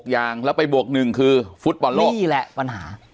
อย่างแล้วไปบวก๑คือฟุตบอลโลกนี่แหละปัญหา